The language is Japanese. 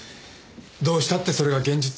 どうしたってそれが現実。